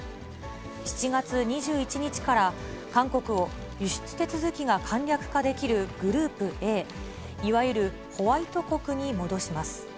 ７月２１日から、韓国を輸出手続きが簡略化できるグループＡ、いわゆるホワイト国に戻します。